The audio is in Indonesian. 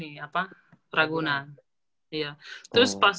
iya terus pas itu ih itu juga dari dulu sudah dikontak